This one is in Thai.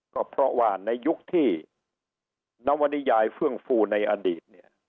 ก็เพราะว่าในยุคที่นวนิยายเฟื่องฟูในอดีตเนี่ย